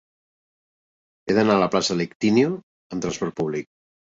He d'anar a la plaça de l'Ictíneo amb trasport públic.